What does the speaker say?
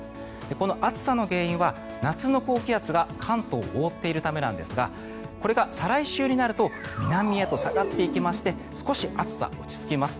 この暑さの原因は夏の高気圧が関東を覆っているためなんですがこれが再来週になると南へと下がっていきまして少し暑さ、落ち着きます。